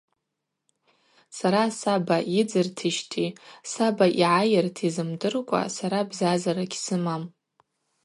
Сара саба йыдзыртищти саба йгӏайырти зымдыркӏва сара бзазара гьсымам.